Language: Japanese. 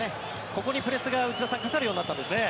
ここにプレスが内田さんかかるようになったんですね。